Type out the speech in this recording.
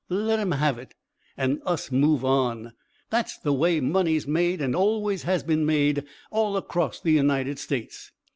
Let 'em have it, and us move on. That's the way money's made, and always has been made, all across the United States."